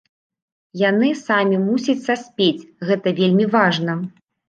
Яны самі мусяць саспець, гэта вельмі важна.